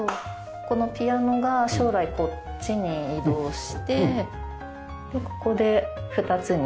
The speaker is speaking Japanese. このピアノが将来こっちに移動してでここで２つに。